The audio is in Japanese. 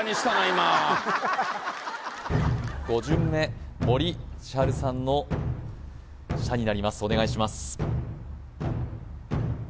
今５巡目森千晴さんの射になりますお願いします